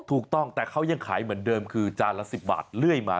ถูกต้องแต่เขายังขายเหมือนเดิมคือจานละ๑๐บาทเรื่อยมา